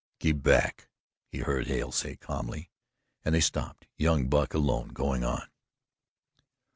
"Keep back!" he heard Hale say calmly, and they stopped young Buck alone going on.